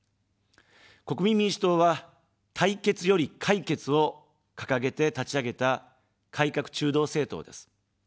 国民民主党は、対決より解決を掲げて立ち上げた改革中道政党です。